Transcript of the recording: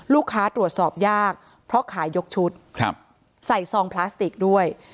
ลูกค้าตรวจสอบยากเพราะขายยกชุดใส่ซองพลาสติกด้วย